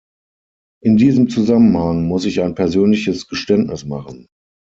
In diesem Zusammenhang muss ich ein persönliches Geständnis machen.